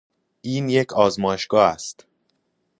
این یک آزمایشگاه است.